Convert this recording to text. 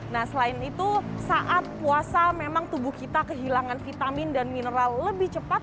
nah selain itu saat puasa memang tubuh kita kehilangan vitamin dan mineral lebih cepat